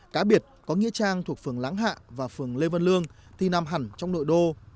cá biệt có nghĩa trang thuộc phường láng hạ và phường lê văn lương thì nằm hẳn trong nội đô